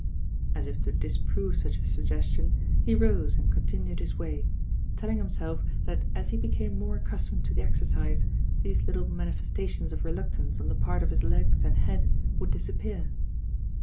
As if to disprove such a suggestion he rose and continued his way, telling himself that as he became more accustomed to the exercise, these little mani festations of reluctance on the part of his legs and head would disappear.